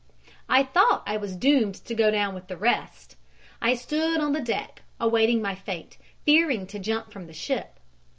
"I thought I was doomed to go down with the rest. I stood on the deck, awaiting my fate, fearing to jump from the ship.